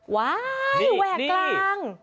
ว้ายแหวกกลาง